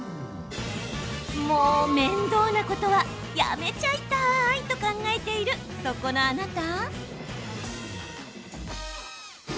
もう面倒なことはやめちゃいたい！と考えている、そこのあなた。